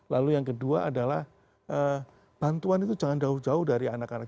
lalu yang kedua adalah bantuan itu jangan jauh jauh dari anak anak